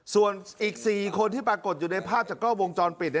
ส่วนอีก๔คนที่ปรากฏอยู่ในภาพจากกล้อวงจรปิด